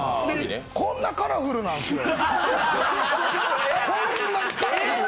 こんなカラフルなんすよ。